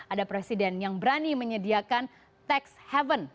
ada presiden yang berani menyediakan tax haven